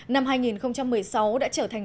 năm hai nghìn một mươi sáu đã trở thành